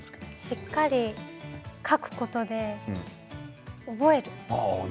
しっかり書くことで覚える。